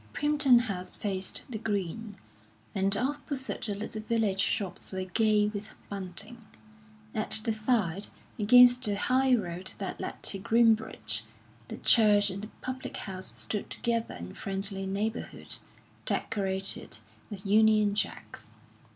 Primpton House faced the green, and opposite the little village shops were gay with bunting; at the side, against the highroad that led to Groombridge, the church and the public house stood together in friendly neighbourhood, decorated with Union Jacks.